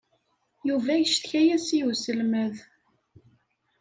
Yuba yeccetka-as i uselmad.